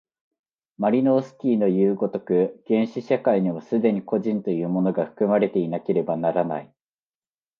マリノースキイのいう如く、原始社会にも既に個人というものが含まれていなければならない。